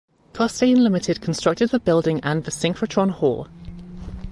Costain Limited constructed the building and the synchrotron hall.